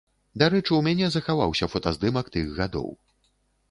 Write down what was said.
Дарэчы, у мяне захаваўся фотаздымак тых гадоў.